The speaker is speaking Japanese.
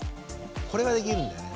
これができるんだよね